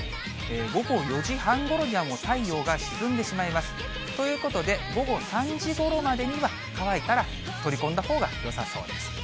午後４時半ごろにはもう太陽が沈んでしまいます。ということで、午後３時ごろまでには、乾いたら取り込んだほうがよさそうです。